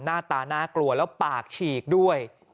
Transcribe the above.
หน้าตาน่ากลัวแล้วปากฉีกด้วย